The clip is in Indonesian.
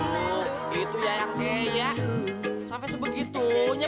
wah abang pertama untuk menjualnya